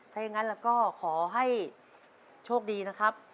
ถ้าอย่างนั้นเราก็ขอให้โชคดีนะครับ